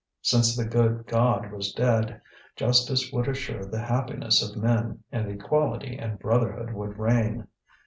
Since the good God was dead, justice would assure the happiness of men, and equality and brotherhood would reign.